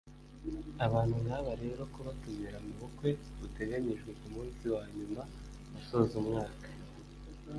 Abantu nk’aba rero kubatumira mu bukwe buteganyijwe ku munsi wa nyuma usoza umwaka